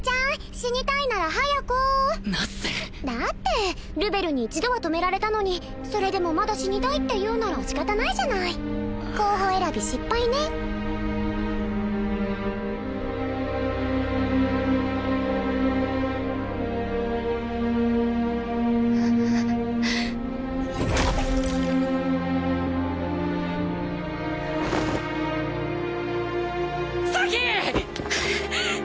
死にたいなら早くナッセ！だってルベルに一度は止められたのにそれでもまだ死にたいっていうなら仕方ないじゃない候補選び失敗ね咲！